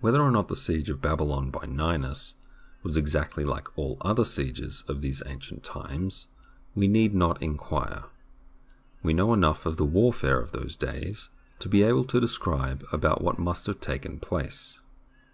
Whether or not the siege of Babylon by Ninus was exactly like all other sieges of these ancient times we need not inquire; we know enough of the warfare of those days to be able to describe about what must have taken place.